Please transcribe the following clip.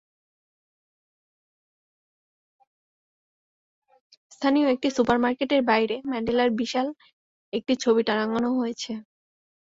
স্থানীয় একটি সুপার মার্কেটের বাইরে ম্যান্ডেলার বিশাল একটি ছবি টাঙানো হয়েছে।